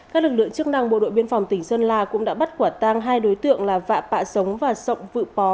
các lực lượng chức năng bộ đội biên phòng tỉnh sơn la cũng đã bắt quả tăng hai đối tượng là vạ pạ sống và sọng vự pó